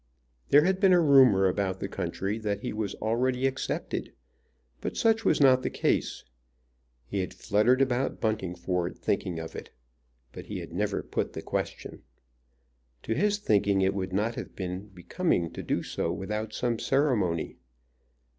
There had been a rumor about the country that he was already accepted; but such was not the case. He had fluttered about Buntingford, thinking of it: but he had never put the question. To his thinking it would not have been becoming to do so without some ceremony.